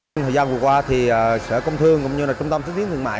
trong thời gian vừa qua thì sở công thương cũng như trung tâm tiến tiến thương mại